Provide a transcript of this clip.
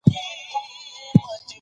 ښارونه د افغانستان د اقتصاد یوه برخه ده.